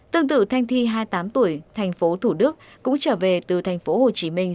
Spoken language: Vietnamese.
tương tự thanh thi hai mươi tám tuổi thành phố thủ đức cũng trở về từ thành phố hồ chí minh